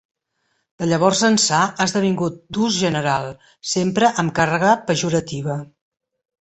De llavors ençà ha esdevingut d'ús general, sempre amb càrrega pejorativa.